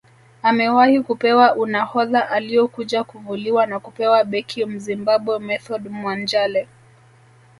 Amewahi kupewa unahodha aliokuja kuvuliwa na kupewa beki Mzimbabwe Method Mwanjale